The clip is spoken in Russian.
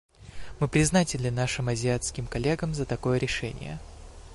Мы признательны нашим азиатским коллегам за такое решение.